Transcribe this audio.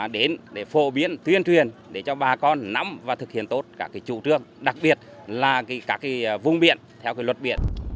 đến để phổ biến tuyên truyền để cho bà con nắm và thực hiện tốt cả cái chủ trương đặc biệt là cả cái vùng biển theo cái luật biển